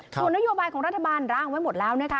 ส่วนนโยบายของรัฐบาลร่างไว้หมดแล้วนะคะ